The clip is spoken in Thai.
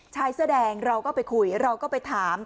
ชายเสื้อแดงเราก็ไปคุยเราก็ไปถาม